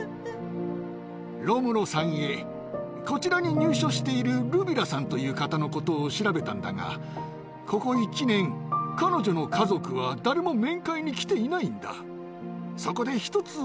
ロムロさんへ、こちらに入所しているルビラさんという方のことを調べたんだが、ここ１年、彼女の家族は誰も面会に来ていないんだ。